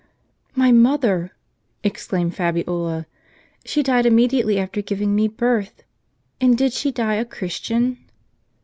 "My mother!" exclaimed Fabiola. "She died immedi ately after giving me birth. And did she die a Christian